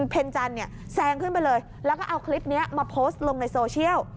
เพ็ญจันเนี่ยแซงขึ้นไปเลยแล้วก็เอาคลิปนี้มาโพสต์ลงในโซเชียล